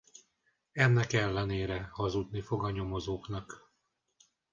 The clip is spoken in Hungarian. Ennek ellenére hazudni fog a nyomozóknak.